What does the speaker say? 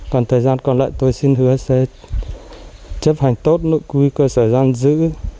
còn thời gian còn lại tôi xin hứa sẽ chấp hành tốt nội quy cơ sở giam giữ